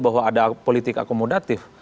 bahwa ada politik akomodatif